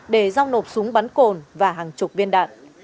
để giao nộp súng bắn cồn và hàng chục viên đạn